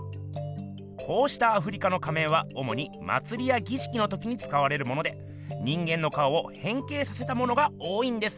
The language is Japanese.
こうしたアフリカの仮面はおもにまつりやぎしきのときにつかわれるもので人間の顔をへん形させたものが多いんです。